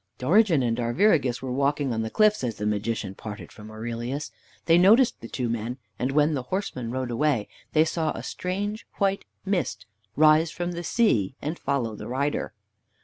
Dorigen and Arviragus were walking on the cliffs as the Magician parted from Aurelius. They noticed the two men, and when the horseman rode away they saw a strange white mist rise from the sea and follow the rider.